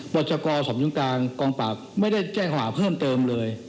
บรรยากรสอบสมุนกลางกองปรับไม่ได้แจ้งหวะเพิ่มเติมเลย